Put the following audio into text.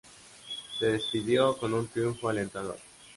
Se despidió con un triunfo alentador.